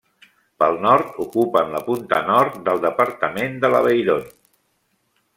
Pel nord ocupen la punta nord del departament de l'Aveyron.